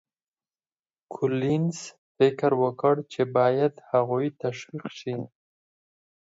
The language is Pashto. کولینز فکر وکړ چې باید هغوی تشویق شي.